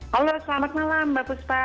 halo selamat malam mbak puspa